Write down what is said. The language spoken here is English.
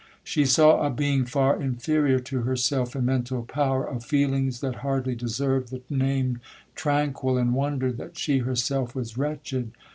She saw a being far inferior to herself in mental power,—of feelings that hardly deserved the name—tranquil, and wondered that she herself was wretched.